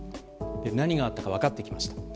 何があったか分かってきました。